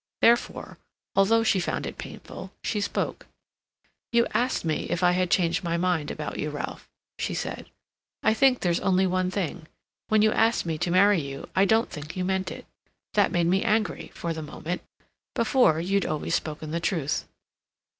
Therefore, although she found it painful, she spoke: "You asked me if I had changed my mind about you, Ralph," she said. "I think there's only one thing. When you asked me to marry you, I don't think you meant it. That made me angry—for the moment. Before, you'd always spoken the truth."